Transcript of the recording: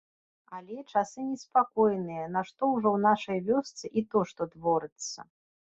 Але, часы неспакойныя, нашто ўжо ў нашай вёсцы, і то што творыцца.